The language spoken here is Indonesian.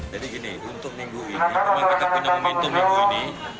jadi gini untuk minggu ini memang kita punya momentum minggu ini